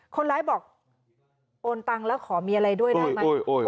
คนร้ายบอกโอนตังค์แล้วขอมีอะไรด้วยได้ไหม